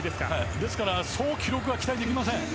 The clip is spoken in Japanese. ですから、そう記録は期待できません。